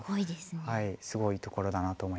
すごいところだなと思いましたね。